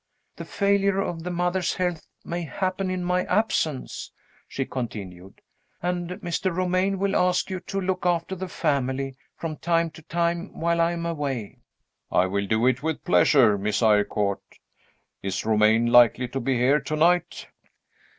"The failure of the mother's health may happen in my absence," she continued; "and Mr. Romayne will ask you to look after the family, from time to time, while I am away." "I will do it with pleasure, Miss Eyrecourt. Is Romayne likely to be here to night?"